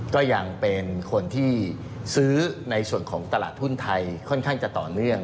ก็ยังเป็นคนที่ซื้อในส่วนของตลาดทุนไทยค่อนข้างจะต่อเนื่อง